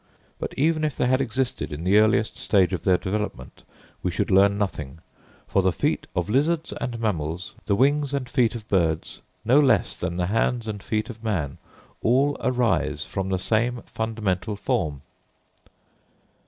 But even if they had existed in the earliest stage of their development we should learn nothing, for the feet of lizards and mammals, the wings and feet of birds, no less than the hands and feet of man, all arise from the same fundamental form."